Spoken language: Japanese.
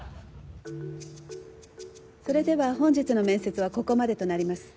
それでは本日の面接はここまでとなります。